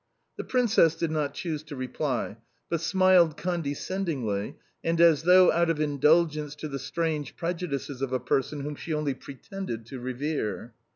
The Princess did not choose to reply, but smiled condescendingly, and as though out of indulgence to the strange prejudices of a person whom she only PRETENDED to revere.